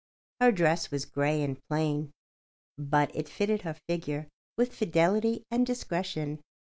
Her dress was grey and plain, but it fitted her figure with fidelity and discretion.